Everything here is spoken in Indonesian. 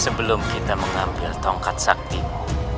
sebelum kita mengambil tongkat saktimu